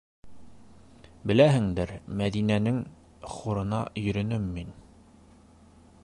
Беләһеңдер, Мәҙинәнен хорына йөрөнөм мин...